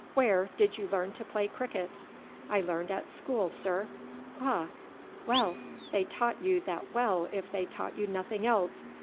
"Where did you learn to play cricket?" "I learned at school, sir." "Ah! well, they taught you that well if they taught you nothing else.